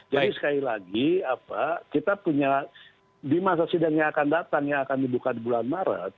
jadi sekali lagi kita punya di masa sidang yang akan datang yang akan dibuka di bulan maret